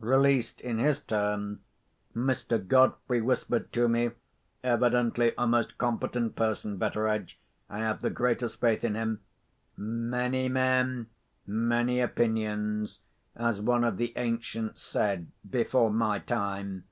Released in his turn, Mr. Godfrey whispered to me—"Evidently a most competent person. Betteredge, I have the greatest faith in him!" Many men, many opinions, as one of the ancients said, before my time.